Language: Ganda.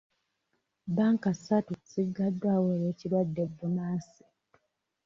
Bbanka ssatu ziggaddwawo lw'ekirwadde bbunansi.